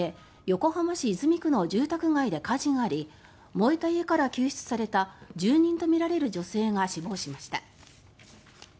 横浜市泉区の住宅街で火事があり燃えた家から救出された住人とみられる女性が死亡しました。